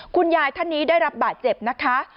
คุณยายท่านนี้ได้รับบาดเจ็บนะคะ